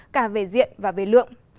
cả về diện và về lượng